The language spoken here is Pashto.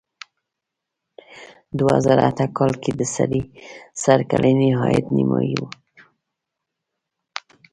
دوه زره اته کال کې د سړي سر کلنی عاید نیمايي و.